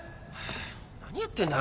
何やってんだ！？